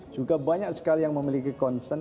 juga banyak sekali yang memiliki concern